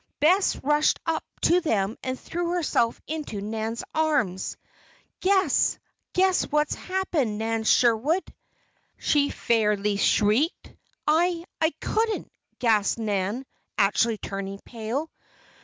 Bess rushed up to them and threw herself into Nan's arms. "Guess! Guess what's happened, Nan Sherwood!" she fairly shrieked. "I I couldn't," gasped Nan, actually turning pale.